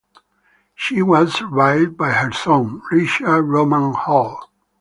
She was survived by her son, Richard Roman Hall.